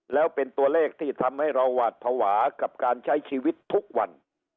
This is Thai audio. แล้วเป็นตัวเลขที่ทำให้เราหวาดภาวะกับการใช้ชีวิตทุกวัน